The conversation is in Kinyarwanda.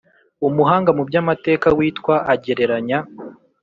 umuhanga mu by’amateka witwa agereranya